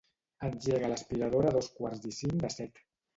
Engega l'aspiradora a dos quarts i cinc de set.